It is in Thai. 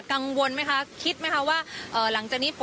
กังวลไหมคะคิดไหมคะว่าหลังจากนี้